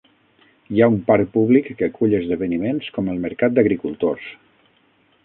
Hi ha un parc públic que acull esdeveniments com el mercat d'agricultors.